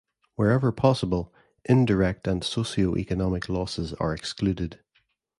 Wherever possible, indirect and socioeconomic losses are excluded.